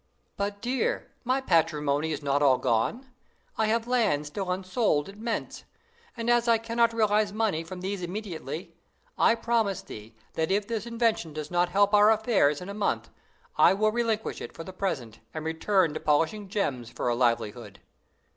"But, dear, my patrimony is not all gone. I have land still unsold at Mentz; and as I cannot realize money from these immediately, I promise thee that if this invention does not help our affairs in a month, I will relinquish it for the present, and return to polishing gems for a livelihood."